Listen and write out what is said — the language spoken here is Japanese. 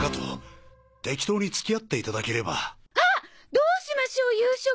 どうしましょう夕食。